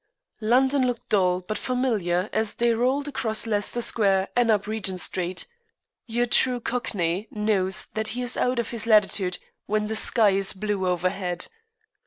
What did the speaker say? London looked dull but familiar as they rolled across Leicester Square and up Regent Street. Your true Cockney knows that he is out of his latitude when the sky is blue overhead.